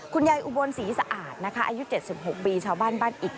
อุบลศรีสะอาดนะคะอายุ๗๖ปีชาวบ้านบ้านอิด